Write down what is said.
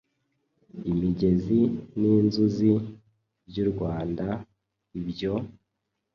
imigezi n’inzuzi by’u Rwanda. Ibyo